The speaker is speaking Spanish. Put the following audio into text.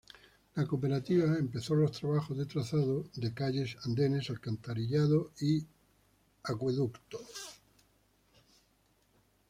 La Cooperativa empezó los trabajos de trazados de calles, andenes, alcantarillado y acueducto.